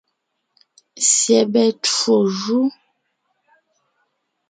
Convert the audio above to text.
Syɛbɛ twó jú.